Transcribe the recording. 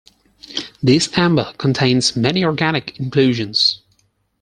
This amber contains many organic inclusions.